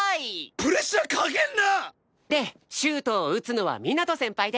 プレッシャーかけんな！でシュートを打つのはみなと先輩で。